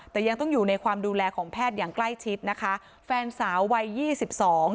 แต่ยังต้องอยู่ในความดูแลของแพทย์อย่างใกล้ชิดนะคะแฟนสาววัยยี่สิบสอง